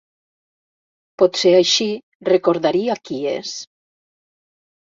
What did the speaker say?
Potser així recordaria qui és.